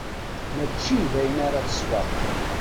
Mačči dayen ara tesber.